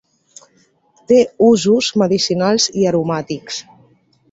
Té usos medicinals i aromàtics.